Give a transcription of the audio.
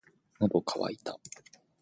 喉乾いた